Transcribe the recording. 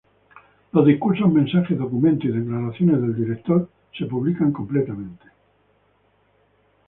Los discursos, mensajes, documentos y declaraciones del Director son publicados completamente.